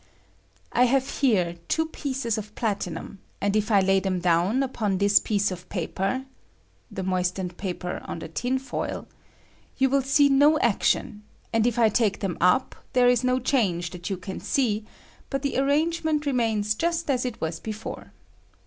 . I have here two pieces of platinum, and if I lay them down upon this piece of paper [the moistened paper on the tin foil] you will see no action ; and if I taJte them up there is no change that you can see, but the arrangement remains just as it was before.